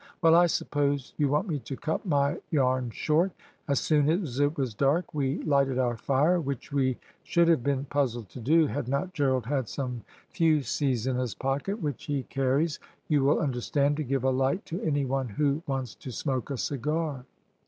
"Well, I suppose you want me to cut my yarn short. As soon as it was dark we lighted our fire, which we should have been puzzled to do, had not Gerald had some fusees in his pocket, which he carries, you will understand, to give a light to any one who wants to smoke a cigar."